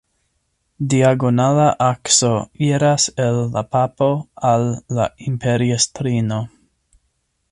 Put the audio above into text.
Diagonala akso iras el la papo al la imperiestrino.